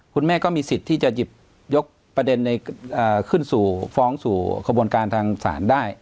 คุณแม่ก็มีสิทธิ์ที่จะยกประเด็นขึ้นฟ้องสู่ขบวนการทางศาลได้